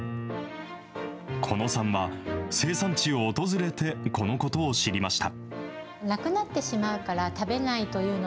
狐野さんは、生産地を訪れて、このことを知りました。